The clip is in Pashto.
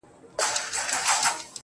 تا بدرنگۍ ته سرټيټی په لېونتوب وکړ,